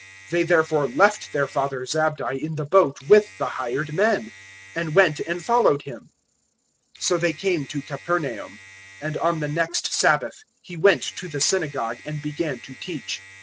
001:020 They therefore left their father Zabdi in the boat with the hired men, and went and followed Him. 001:021 So they came to Capernaum, and on the next Sabbath He went to the synagogue and began to teach.